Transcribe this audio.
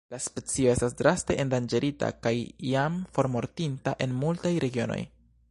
La specio estas draste endanĝerita kaj jam formortinta el multaj regionoj.